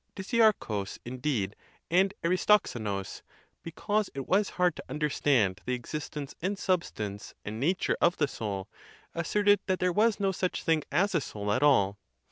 Diczearchus, indeed, and Aristoxenus, because it was hard to understand the existence and substance and nature of the soul, asserted that there was no such thing as a soul at all.